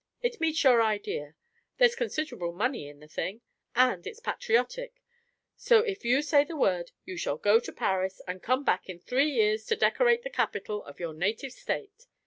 It meets your idea; there's considerable money in the thing; and it's patriotic. So, if you say the word, you shall go to Paris, and come back in three years to decorate the capitol of your native State.